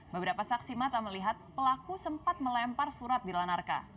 beberapa saksi mata melihat pelaku sempat melempar surat di lanarka